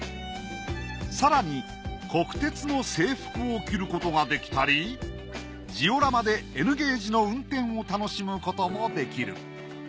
更に国鉄の制服を着ることができたりジオラマでＮゲージの運転を楽しむこともできる。